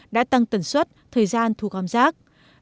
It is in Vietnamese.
đã tăng tần suất thời gian thu gom rác